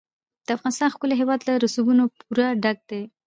د افغانستان ښکلی هېواد له رسوبونو پوره ډک دی.